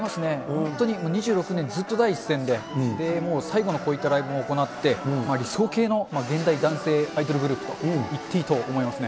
本当に２６年ずっと第一線で、もう最後のこういったライブも行って、理想形の現代男性アイドルグループと言っていいと思いますね。